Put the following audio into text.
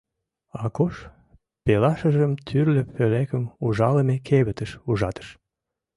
Акош пелашыжым тӱрлӧ пӧлекым ужалыме кевытыш ужатыш.